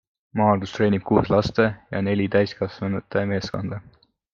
Maardus treenib kuus laste ja neli täiskasvanute meeskonda.